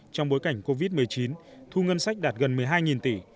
trong bối cảnh covid một mươi chín thu ngân sách đạt gần một mươi hai tỷ